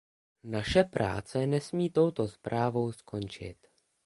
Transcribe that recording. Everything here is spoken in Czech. Naše práce nesmí touto zprávou skončit.